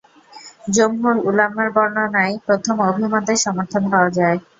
জমহুর উলামার বর্ণনায় প্রথম অভিমতের সমর্থন পাওয়া যায়।